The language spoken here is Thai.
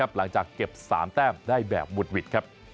หลังจากเก็บ๓แต้มได้แบบวุดวิด